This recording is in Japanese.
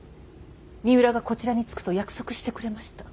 三浦がこちらにつくと約束してくれました。